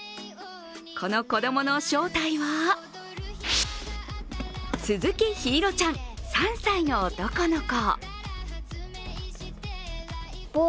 この子どもの正体は鈴木緋彩ちゃん３歳の男の子。